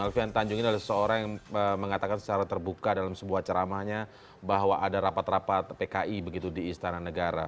alfian tanjung ini adalah seorang yang mengatakan secara terbuka dalam sebuah ceramahnya bahwa ada rapat rapat pki begitu di istana negara